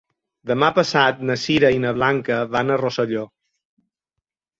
Demà passat na Sira i na Blanca van a Rosselló.